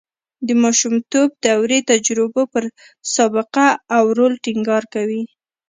د ماشومتوب دورې تجربو پر سابقه او رول ټینګار کوي